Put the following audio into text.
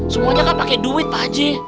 semuanya kan pake duit pak ji